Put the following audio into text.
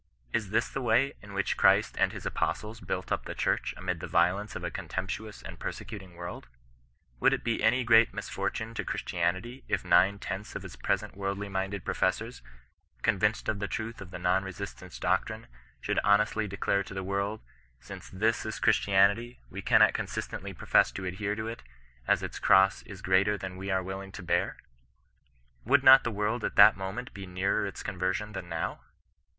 Iif this the way in which Christ and his apostles built up the Church amid the violence of a contemptuous and persecuting world? Would it be any great misfortune to Christianity, if nine tenths of its present worldly minded professors, convinced of the truth of the non resistance doctrine, should honestly declare to the world, " Since this is Christianity, we cannot consistently pro fess to adhere to it, as its cross is greater than we are willing to bear" Would not the world at that moment be nearer its conversion than now